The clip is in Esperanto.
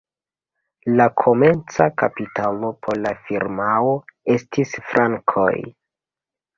La komenca kapitalo por la firmao estis frankoj.